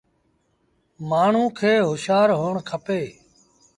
مآڻهوٚݩ کي هوشآر هوڻ کپي۔